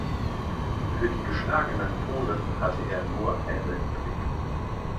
Für die geschlagenen Polen hatte er nur Häme übrig.